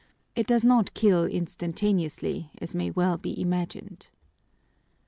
It does not kill instantaneously, as may well be imagined.